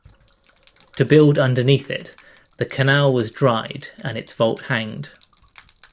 To build underneath it, the canal was dried and its vault hanged.